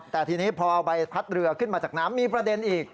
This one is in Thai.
แต่ทีนี้พอเอาใบพัดเรือขึ้นมาจากน้ำมีประเด็นอีก